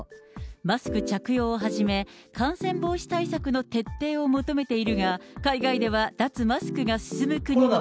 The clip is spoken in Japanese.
マスク着用をはじめ、感染防止対策の徹底を求めているが、海外では脱マスクが進む国も。